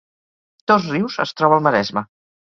Dosrius es troba al Maresme